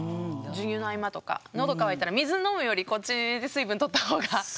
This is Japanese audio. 授乳の合間とか喉渇いたら水飲むよりこっちで水分とった方が。